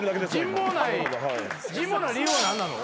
人望ない理由は何なの？